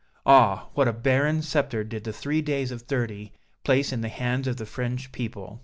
Ah! what a barren sceptre did the Three Days of '30 place in the hands of the French people!